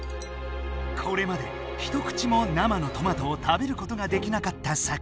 これまで一口も生のトマトを食べることができなかったサクラ。